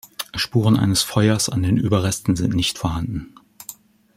Spuren eines Feuers an den Überresten sind nicht vorhanden.